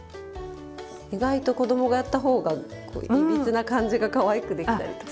意外と子供がやった方がいびつな感じがかわいくできたりとか。